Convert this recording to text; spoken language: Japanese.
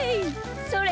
それ。